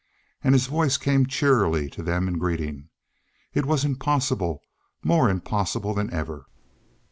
And his voice came cheerily to them in greeting. It was impossible more impossible than ever.